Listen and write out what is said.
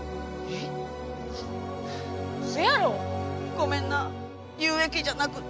ごめんな有益じゃなくって。